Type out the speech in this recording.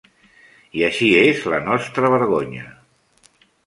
I així es la nostra vergonya.